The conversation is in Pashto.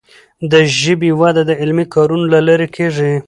د ژبي وده د علمي کارونو له لارې کیږي.